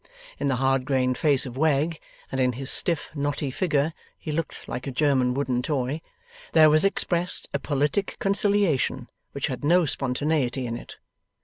In the hard grained face of Wegg, and in his stiff knotty figure (he looked like a German wooden toy), there was expressed a politic conciliation, which had no spontaneity in it.